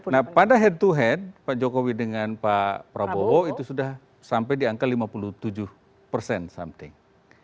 nah pada head to head pak jokowi dengan pak prabowo itu sudah sampai di angka lima puluh tujuh persen something